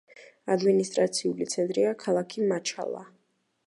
ადმინისტრაციული ცენტრია ქალაქი მაჩალა.